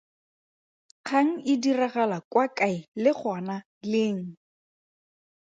Kgang e diragala kwa kae le gona leng?